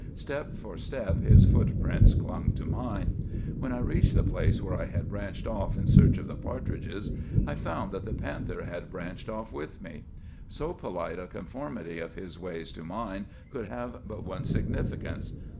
Step for step his footprints clung to mine. When I reached the place where I had branched off in search of the partridges, I found that the panther had branched off with me. So polite a conformity of his ways to mine could have but one significance.